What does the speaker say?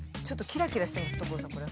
ちょっとキラキラしてます所さん